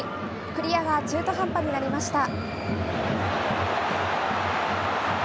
クリアが中途半端になりました。